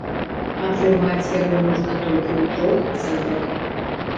Атрымаць яго можна толькі ў трох цэнтрах.